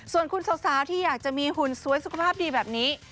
ส่วนคุณสาวที่อยากจะมีหุ่นสวยสุขภาพดีแบบนี้